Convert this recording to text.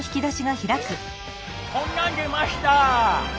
こんなん出ました。